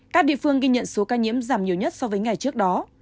các địa phương ghi nhận số ca nhiễm giảm nhiều nhất so với ngày trước đó